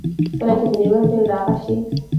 کله چې د لیوه زوی را غټ شي.